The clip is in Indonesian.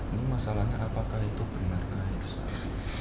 ini masalahnya apakah itu benar gaisang